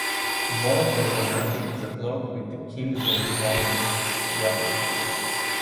More problematic is a block with the king's name found at Gebelein.